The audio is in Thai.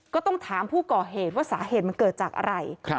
ก็ต้องถามผู้ก่อเหตุว่าสาเหตุมันเกิดจากอะไร